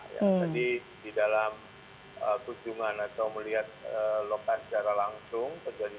jadi di dalam kunjungan atau melihat lokasi secara langsung